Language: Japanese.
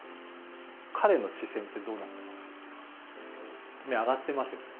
彼の視線ってどうなってますか？